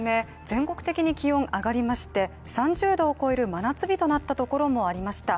全国的に気温が上がりまして、３０℃を超える真夏日となったところもありました